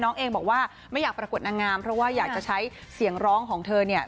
น้องเองบอกว่าไม่อยากปรากฏนางงามเพราะว่าอยากจะใช้เสียงร้องของเธอเนี่ย